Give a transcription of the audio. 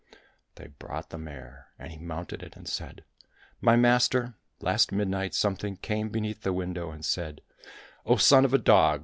They brought the mare, and he mounted it and said, " My master, last midnight something came beneath the window and said, ' Oh, son of a dog